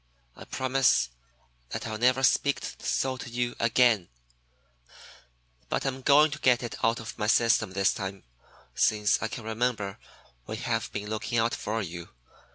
I promise that I'll never speak so to you again, but I'm going to get it out of my system this time. Since I can remember we have been looking out for you.